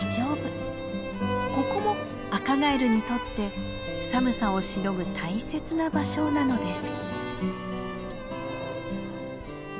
ここもアカガエルにとって寒さをしのぐ大切な場所なのです。